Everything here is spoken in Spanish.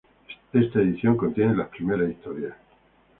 Esta edición contiene las primeras historias.